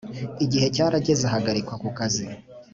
igihe cyarageze ahagarikwa ku kazi